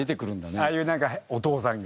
ああいうなんかお父さんが。